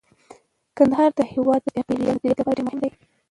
کندهار د هیواد د چاپیریال د مدیریت لپاره ډیر مهم دی.